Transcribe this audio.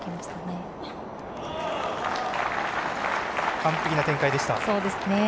完璧な展開でした。